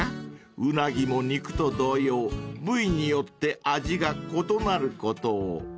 ［ウナギも肉と同様部位によって味が異なることを］